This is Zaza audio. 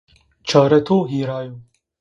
Çarê to hirao.